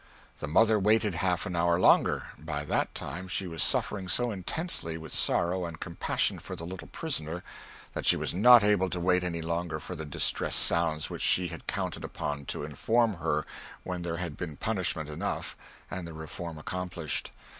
The mother waited half an hour longer; by that time she was suffering so intensely with sorrow and compassion for the little prisoner that she was not able to wait any longer for the distressed sounds which she had counted upon to inform her when there had been punishment enough and the reform accomplished.